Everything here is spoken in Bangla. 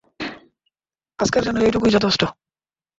আজকের জন্য এই টুকুই যথেষ্ট।